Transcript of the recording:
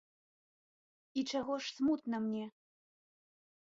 І чаго ж смутна мне?